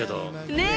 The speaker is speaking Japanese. ねえ！